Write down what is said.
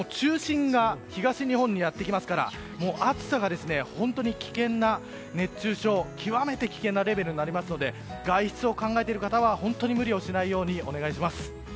中心が東日本にやってきますから暑さが本当に、危険な熱中症、極めて危険なレベルになりますので外出を考えている方は本当に無理をしないようにお願いします。